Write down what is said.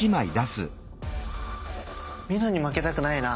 みのんに負けたくないな。